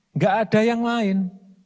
enggak ada yang lain